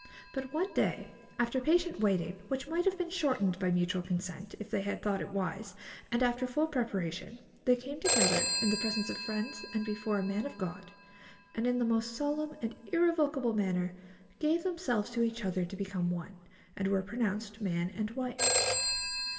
But one day, after patient waiting, which might have been shortened by mutual consent, if they had thought it wise, and after full preparation, they came together in the presence of friends and before a man of God, and in the most solemn and irrevocable manner gave themselves to each other to become one, and were pronounced man and wife.